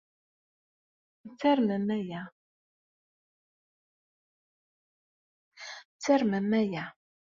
Ad tarmem aya.